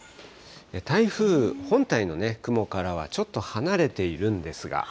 台風本体の雲からはちょっと離れているんですが。